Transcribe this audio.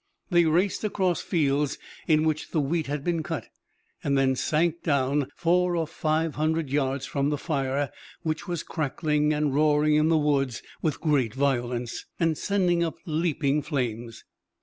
They raced across fields in which the wheat had been cut, and then sank down four or five hundred yards from the fire, which was crackling and roaring in the woods with great violence, and sending up leaping flames.